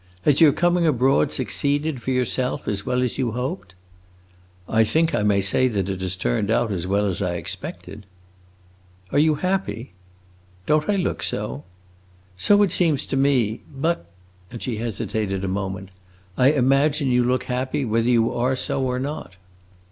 Has your coming abroad succeeded, for yourself, as well as you hoped?" "I think I may say that it has turned out as well as I expected." "Are you happy?" "Don't I look so?" "So it seems to me. But" and she hesitated a moment "I imagine you look happy whether you are so or not."